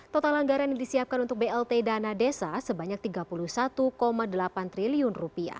total anggaran yang disiapkan untuk blt dana desa sebanyak rp tiga puluh satu delapan triliun